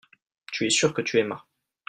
tu es sûr que tu aimas.